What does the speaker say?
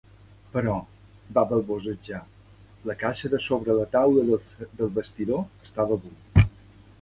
"Però", va balbotejar, "la caixa de sobre la taula del vestidor estava buida".